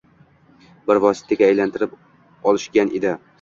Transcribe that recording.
bir vositaga aylantirib olishgan edi…